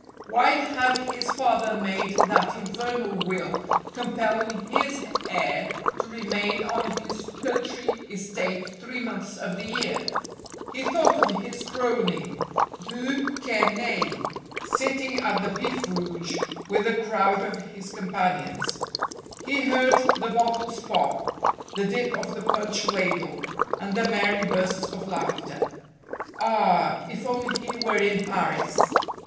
Why had his father made that infernal will compelling his heir to remain on his country estate three months of the year? He thought of his crony, de Quesnay, sitting at the Beef Rouge with a crowd of his companions. He heard the bottles pop, the dip of the punch ladle, and the merry bursts of laughter. Ah, if only he were in Paris!